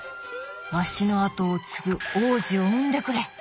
わしの跡を継ぐ王子を産んでくれ！」。